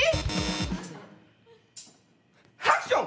ハクション！